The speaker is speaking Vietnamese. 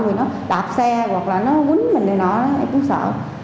rồi nó đạp xe hoặc là nó quýnh mình rồi nọ em cũng sợ